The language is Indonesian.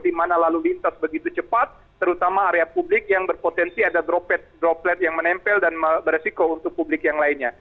di mana lalu lintas begitu cepat terutama area publik yang berpotensi ada droplet yang menempel dan beresiko untuk publik yang lainnya